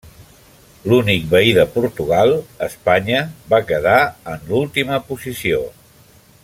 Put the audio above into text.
L'únic veí de Portugal, Espanya, va quedar en l'última posició.